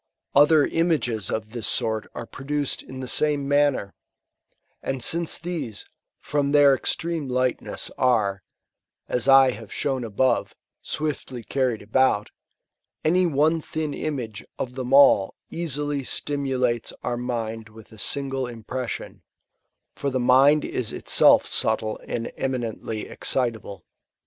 Other imoffts of this sort are produced in the same manner ; and since these, from their extreme lightness, are, as I have shown above, swiftly carried aboot, any one thin image (^ them all easily stimulates our mind with a single' impression ; for the mind is itself subtle and eminently excitable.